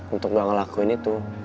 untuk gak ngelakuin itu